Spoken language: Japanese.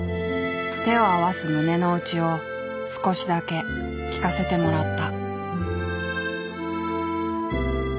手を合わす胸の内を少しだけ聞かせてもらった。